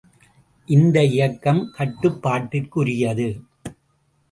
இந்த இயக்கம் கட்டுப்பாட்டிற்குரியது.